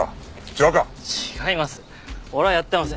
違います。